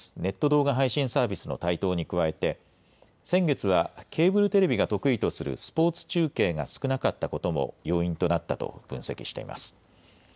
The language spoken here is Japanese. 動画配信サービスの台頭に加えて、先月は、ケーブルテレビが得意とするスポーツ中継が少なかったことも要因となったと分析しています。